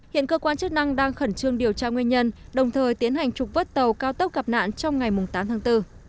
hiện cơ quan chức năng đang khẩn trương điều tra nguyên nhân đồng thời tiến hành trục vất tàu cao tốc gặp nạn trong ngày tám tháng bốn